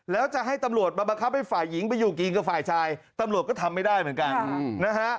แล้วจะให้ตำรวจมาบังคับให้ฝ่ายหญิงไปอยู่กินกับฝ่ายชายตำรวจก็ทำไม่ได้เหมือนกันนะฮะ